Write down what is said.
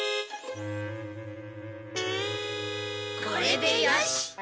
これでよし！